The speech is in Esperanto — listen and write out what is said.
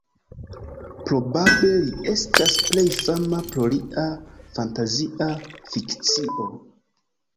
Probable li estas plej fama pro lia fantazia fikcio.